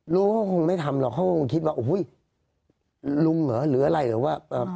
เขาก็คงไม่ทำหรอกเขาคงคิดว่าโอ้โหลุงเหรอหรืออะไรหรือว่า